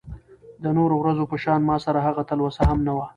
د نورو ورځو په شان ماسره هغه تلوسه هم نه وه .